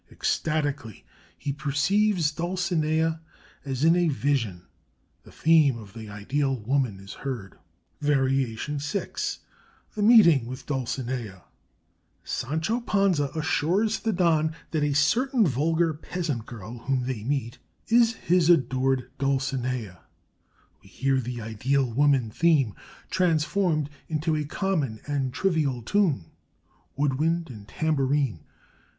Ecstatically he perceives Dulcinea, as in a vision (the theme of the Ideal Woman is heard). VARIATION VI THE MEETING WITH DULCINEA Sancho Panza assures the Don that a certain vulgar peasant girl whom they meet is his adored Dulcinea (we hear the Ideal Woman theme, transformed into a common and trivial tune wood wind and tambourine).